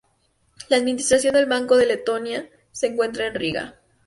La administración del Banco de Letonia se encuentra en Riga.